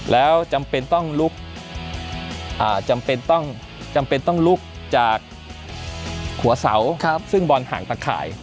แล้วจำเป็นว่าต้องลุกจากหัวเสาซึ่งบอลหางตะไข